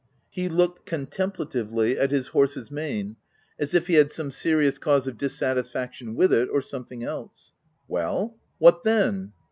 He looked con templatively at his horse's mane, as if he had some serious cause of dissatisfaction with it, or something else. " Well ! what then